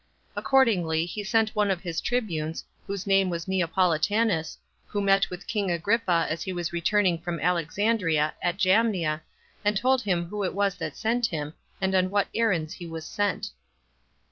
Accordingly, he sent one of his tribunes, whose name was Neopolitanus, who met with king Agrippa as he was returning from Alexandria, at Jamnia, and told him who it was that sent him, and on what errands he was sent.